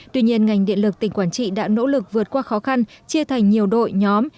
tuy nhiên ngành điện lực tỉnh quảng trị đã nỗ lực vượt qua khó khăn chia thành nhiều đội nhóm